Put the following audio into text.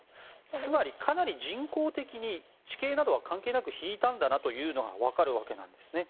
つまり、かなり人工的に地形などは関係なく引いたんだなというのがわかるわけなんですね。